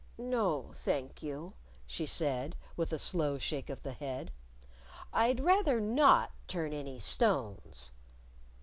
"No, thank you," she said, with a slow shake of the head, "I'd rather not turn any stones."